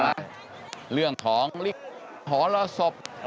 เชิญนี้มีเรื่องของหอแล้วศพ